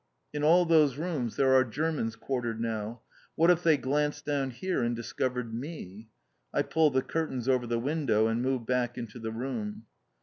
In all those rooms there are Germans quartered now. What if they glanced down here and discovered me? I pull the curtains over the window, and move back into the room.